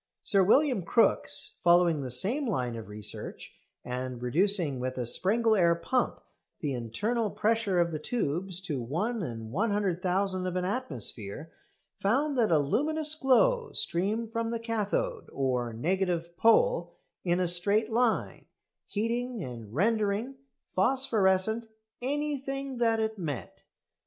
Sir William Crookes, following the same line of research, and reducing with a Sprengel air pump the internal pressure of the tubes to 1/100000 of an atmosphere, found that a luminous glow streamed from the cathode, or negative pole, in a straight line, heating and rendering phosphorescent anything that it met.